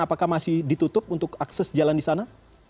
apakah masih ditutup untuk akses jalan di sana